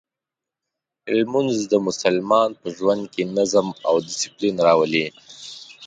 لمونځ د مسلمان په ژوند کې نظم او دسپلین راولي.